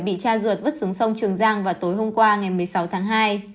bị cha ruột vứt xuống sông trường giang vào tối hôm qua ngày một mươi sáu tháng hai